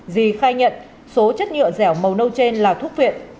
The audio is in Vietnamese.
dì khai nhận số chất nhựa dẻo màu nâu trên là thuốc viện